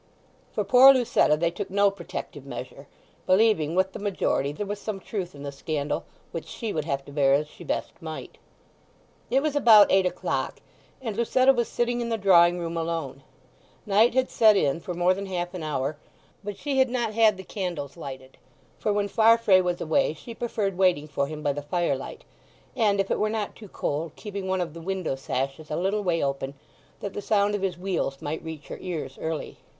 For poor Lucetta they took no protective measure, believing with the majority there was some truth in the scandal, which she would have to bear as she best might. It was about eight o'clock, and Lucetta was sitting in the drawing room alone. Night had set in for more than half an hour, but she had not had the candles lighted, for when Farfrae was away she preferred waiting for him by the firelight, and, if it were not too cold, keeping one of the window sashes a little way open that the sound of his wheels might reach her ears early.